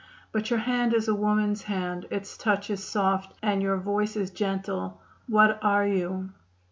But your hand is a woman's hand; its touch is soft, and your voice is gentle. What are you?"